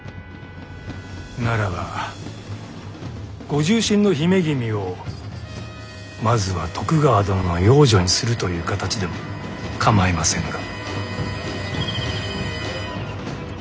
ならばご重臣の姫君をまずは徳川殿の養女にするという形でも構いませぬが。